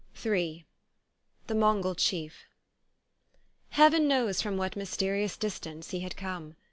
16 Ill THE MONGOL CHIEF HEAVEN knows from what mysterious distance he had come.